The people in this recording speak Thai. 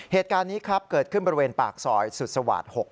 เหตุการณ์นี้ครับเกิดขึ้นบริเวณปากซอยสุสวาสตร์๖